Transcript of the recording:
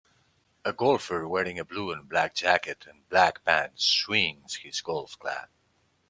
A golfer wearing a blue and black jacket and black pants swings his golf club.